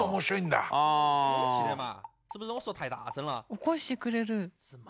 起こしてくれる。